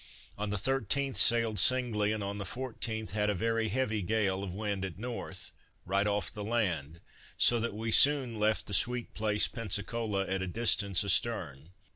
On the 13th sailed singly, and on the 14th had a very heavy gale of wind at north, right off the land, so that we soon left the sweet place, Pensacola, at a distance astern.